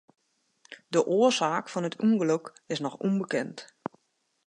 De oarsaak fan it ûngelok is noch ûnbekend.